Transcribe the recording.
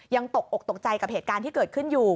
ตกอกตกใจกับเหตุการณ์ที่เกิดขึ้นอยู่